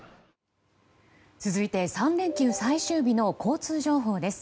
続いて、３連休最終日の交通情報です。